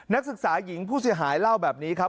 นักศึกษาหญิงผู้เสียหายเล่าแบบนี้ครับ